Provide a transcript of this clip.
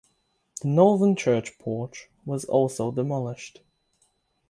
The northern church porch was also demolished.